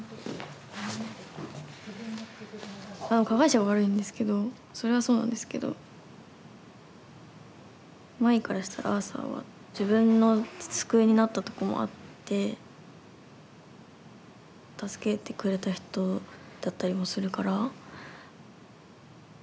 加害者が悪いんですけどそれはそうなんですけどまいからしたらアーサーは自分の救いになったとこもあって助けてくれた人だったりもするから。